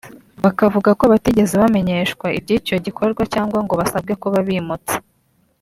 Bakavuga ko batigeze bamenyeshwa iby’icyo gikorwa cyangwa ngo basabwe kuba bimutse